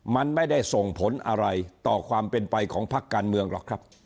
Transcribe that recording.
มันไม่ได้ส่งผลอะไรต่อความเป็นไปของพักการเมืองหรอกครับ